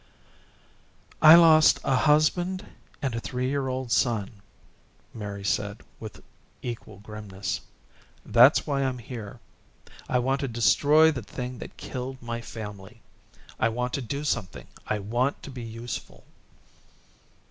"I lost a husband and a three year old son," Mary said with equal grimness. "That's why I'm here. I want to destroy the thing that killed my family. I want to do something. I want to be useful."